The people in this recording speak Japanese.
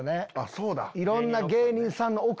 そうだ。